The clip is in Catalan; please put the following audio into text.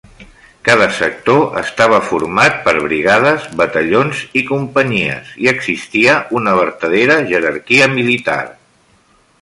Cada sector estava format per brigades, batallons i companyies i existia una vertadera jerarquia militar.